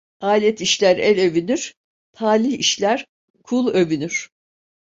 Alet işler el övünür, talih işler kul övünür!